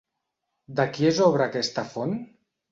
De qui és obra aquesta font?